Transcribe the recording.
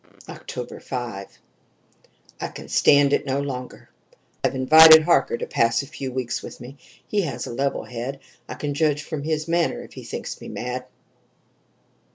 "Oct. 5. I can stand it no longer; I have invited Harker to pass a few weeks with me he has a level head. I can judge from his manner if he thinks me mad.